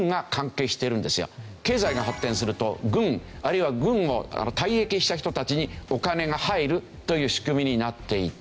経済が発展すると軍あるいは軍を退役した人たちにお金が入るという仕組みになっていた。